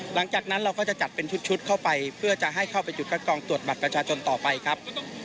หลังจากนั้นเราก็จะจัดเป็นชุดเข้าไปเพื่อจะให้เข้าไปจุดคัดกองตรวจบัตรประชาชนต่อไปครับ